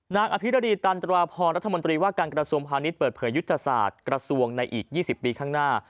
อภิรดีตันตราพรรัฐมนตรีว่าการกระทรวงพาณิชย์เปิดเผยยุทธศาสตร์กระทรวงในอีก๒๐ปีข้างหน้า